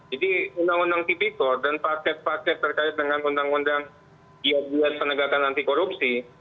jadi undang undang tipikor dan paket paket terkait dengan undang undang biad biad penegakan anti korupsi